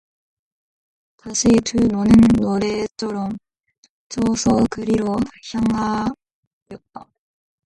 다시 두 노는 나래처럼 저어서 그리로 향하였다.